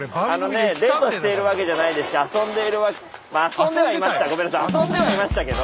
あのねデートしているわけじゃないですし遊んでいるわけまあ遊んではいました。